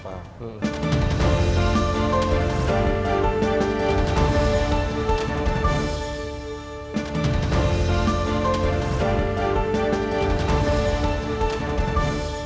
bagaimana cara membuatnya